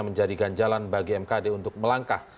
menjadikan jalan bagi mkd untuk melangkah